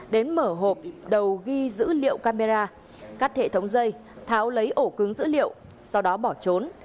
đến mở hộp đầu ghi dữ liệu camera cắt hệ thống dây tháo lấy ổ cứng dữ liệu sau đó bỏ trốn